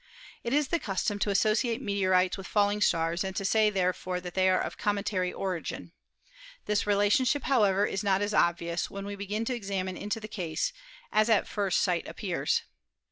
It is the custom to associate meteorites with falling stars, and to say therefore that they are of cometary ori gin. This relationship, however, is not as obvious, when we begin to examine into the case, as at first sight appears.